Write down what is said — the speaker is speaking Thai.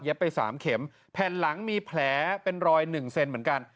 เย็บไป๓เข็มแผ่นหลังมีแผลเป็นรอย๑เซนเหมือนกัน